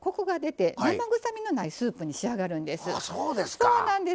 そうなんです。